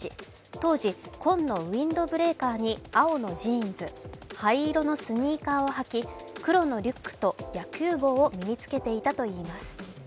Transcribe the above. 当時、紺のウインドブレーカーに青のジーンズ、灰色のスニーカーを履き黒のリュックと野球帽を身に着けていたといいます。